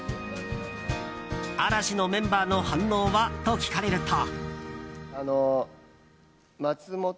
嵐のメンバーの反応は？と聞かれると。